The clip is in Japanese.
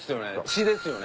血ですよね？